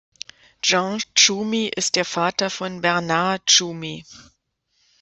Jean Tschumi ist der Vater von Bernard Tschumi.